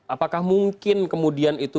apakah mungkin kemudian itu